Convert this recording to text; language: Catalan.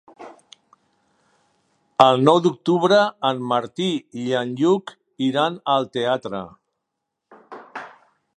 El nou d'octubre en Martí i en Lluc iran al teatre.